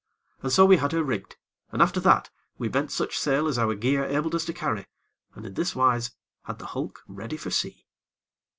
And so we had her rigged, and, after that, we bent such sail as our gear abled us to carry, and in this wise had the hulk ready for sea.